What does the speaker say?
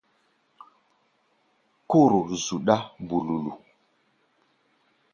Kóro zuɗá ɓululu.